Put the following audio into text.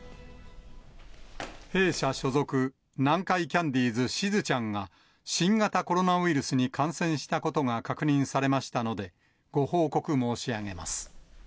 弊社所属、南海キャンディーズ・しずちゃんが、新型コロナウイルスに感染したことが確認されましたので、ご報告申し上げます。